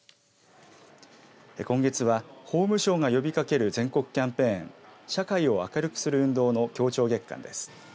今月は法務省が呼びかける全国キャンペーン社会を明るくする運動の強調月間です。